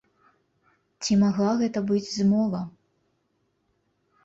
Ці магла гэта быць змова?